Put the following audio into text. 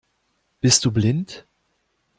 Bist du blind?